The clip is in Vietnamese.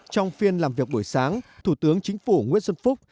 trong phiên làm việc buổi sáng thủ tướng chính phủ nguyễn xuân phúc